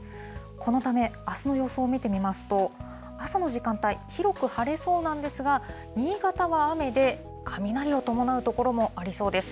このため、あすの予想を見てみますと、朝の時間帯、広く晴れそうなんですが、新潟は雨で、雷を伴う所もありそうです。